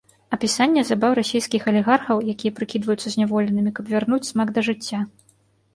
Апісанне забаў расейскіх алігархаў, якія прыкідваюцца зняволенымі, каб вярнуць смак да жыцця.